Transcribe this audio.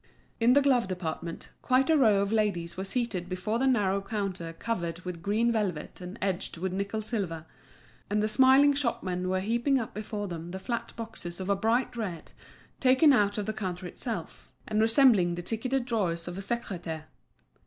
In the glove department quite a row of ladies were seated before the narrow counter covered with green velvet and edged with nickel silver; and the smiling shopmen were heaping up before them the flat boxes of a bright red, taken out of the counter itself, and resembling the ticketed drawers of a secrétaire.